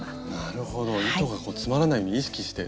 なるほど糸が詰まらないように意識して。